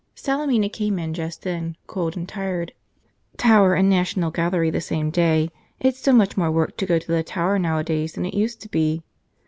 Salemina came in just then, cold and tired. (Tower and National Gallery the same day. It's so much more work to go to the Tower nowadays than it used to be!)